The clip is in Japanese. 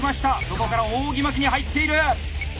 そこから扇巻きに入っている！